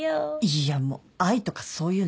いやもう愛とかそういうの。